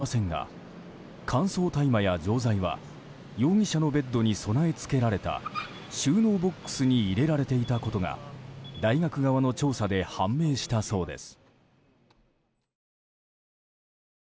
認否については明らかになっていませんが乾燥大麻や錠剤は容疑者のベッドに備え付けられた収納ボックスに入れられていたことが大学側の調査で判明したそうです。